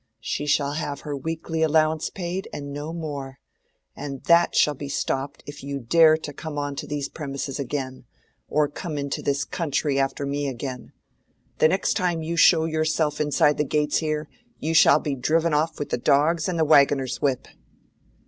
She shall have her weekly allowance paid and no more: and that shall be stopped if you dare to come on to these premises again, or to come into this country after me again. The next time you show yourself inside the gates here, you shall be driven off with the dogs and the wagoner's whip."